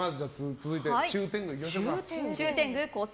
続いて、中天狗いきましょうか。